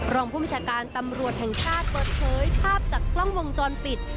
รองผู้บัญชาการตำรวจแห่งชาติเปิดเผยภาพจากกล้องวงจรปิด